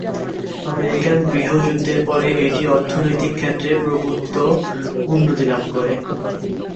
American গৃহযুদ্ধের পরে এটি অর্থনৈতিক ক্ষেত্রে প্রভূত উন্নতি লাভ করে।